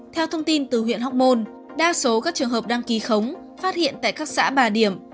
theo thông tin từ huyện hóc môn đa số các trường hợp đăng ký khống phát hiện tại các xã bà điểm